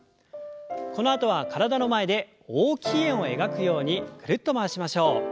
このあとは体の前で大きい円を描くようにぐるっと回しましょう。